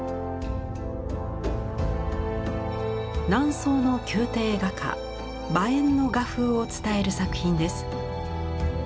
南宋の宮廷画家馬遠の画風を伝える作品です。